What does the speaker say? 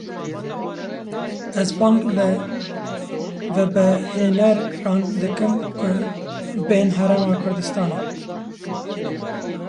Ez bang li vebehêneran dikim ku bên Herêma Kurdistanê.